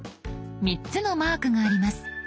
３つのマークがあります。